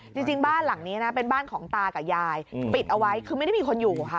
จริงบ้านหลังนี้นะเป็นบ้านของตากับยายปิดเอาไว้คือไม่ได้มีคนอยู่ค่ะ